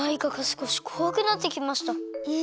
え！